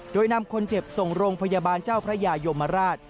โดยนำคนเจ็บส่งโรงพยาบาลเจ้าพระยายมราช